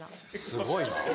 すごいな。